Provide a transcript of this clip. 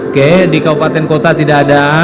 oke di kabupaten kota tidak ada